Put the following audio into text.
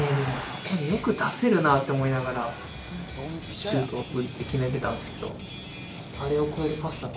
そこによく出せるなって思いながらシュートを打って決めてたんですけど。